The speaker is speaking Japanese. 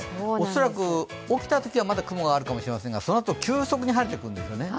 恐らく起きたときはまだ雲があるかもしれませんが、そのあと急速に晴れてくるんですよね。